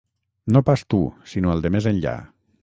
No pas tu sinó el de més enllà.